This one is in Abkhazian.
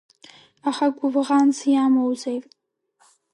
Аха гәыбӷанс иамоузеи…